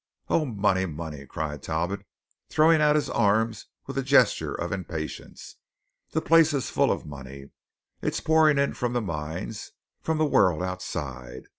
"Oh, money! money!" cried Talbot, throwing out his arms with a gesture of impatience. "The place is full of money. It's pouring in from the mines, from the world outside.